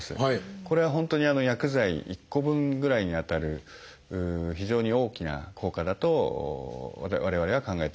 これは本当に薬剤１個分ぐらいにあたる非常に大きな効果だと我々は考えております。